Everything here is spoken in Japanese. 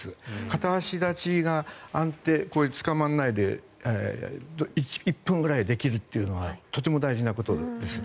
片足立ちがつかまらないで１分ぐらいできるというのはとても大事なことです。